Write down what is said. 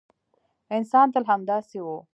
انسان تل همداسې و.